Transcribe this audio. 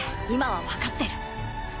今はわかってる。